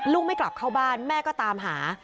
ไม่กลับเข้าบ้านแม่ก็ตามหา